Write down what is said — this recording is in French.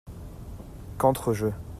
quantre jeux.